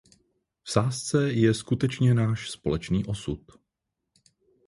V sázce je skutečně náš společný osud.